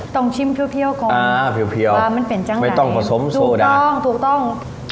ต้องชิมเพียวก่อนว่ามันเป็นจังหลายถูกต้อง